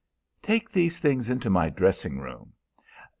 "Take these things into my dressing room.